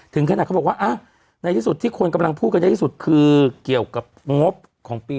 ถึงขนาดเขาบอกว่าในที่สุดที่คนกำลังพูดกันเยอะที่สุดคือเกี่ยวกับงบของปี๒๕